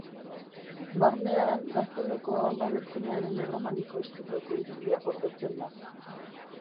Barnean Gazteluko Ama Birjinaren erromaniko estiloko irudia gordetzen da.